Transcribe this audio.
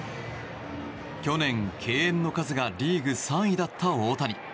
去年、敬遠の数がリーグ３位だった大谷。